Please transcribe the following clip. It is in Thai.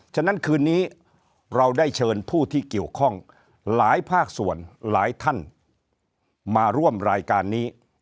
ฉะนั้นคืนนี้เราได้เชิญผู้ที่เกี่ยวข้องหลายภาคส่วนหลายท่านมาร่วมรายการนี้